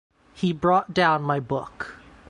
He brought down my book.